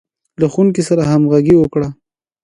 له ښوونکي سره همغږي وکړه.